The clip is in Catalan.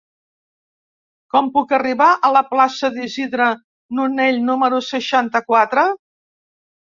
Com puc arribar a la plaça d'Isidre Nonell número seixanta-quatre?